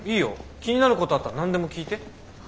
気になることあったら何でも聞いて。